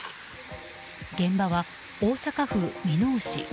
現場は大阪府箕面市。